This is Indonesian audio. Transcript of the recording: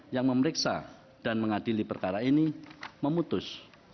yang memeriksa dan mengadili perkara ini memutus